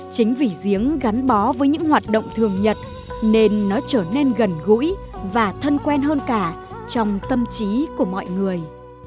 chính vì giếng gắn bó với những hoạt động thường nhật nên nó trở nên gần gũi và thân quen hơn cả trong tâm trí của mọi người